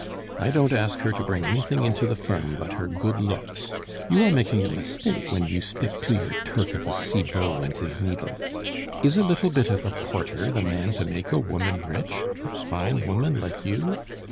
"I don't ask her to bring anything into the firm but her good looks! You are making a mistake when your stick to your Turk of a Cibot and his needle. Is a little bit of a porter the man to make a woman rich a fine woman like you?